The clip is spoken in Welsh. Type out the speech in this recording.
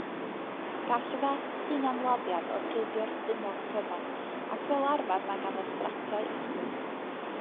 Gall fest hunanladdiad orchuddio'r stumog cyfan ac fel arfer mae ganddo strapiau ysgwydd.